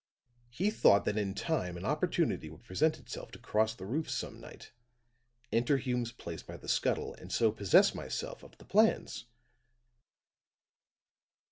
He thought that in time an opportunity would present itself to cross the roofs some night, enter Hume's place by the scuttle and so possess myself of the plans.